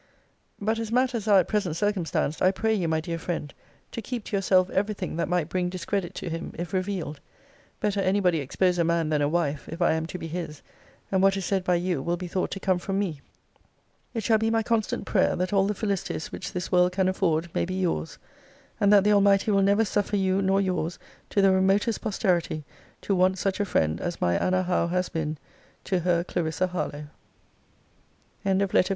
But as matters are at present circumstanced, I pray you, my dear friend, to keep to yourself every thing that might bring discredit to him, if revealed. Better any body expose a man than a wife, if I am to be his; and what is said by you will be thought to come from me. It shall be my constant prayer, that all the felicities which this world can afford may be your's: and that the Almighty will never suffer you nor your's, to the remotest posterity, to want such a friend as my Anna Howe has been to Her CLARISSA HARLOWE. LETTER LIV MR.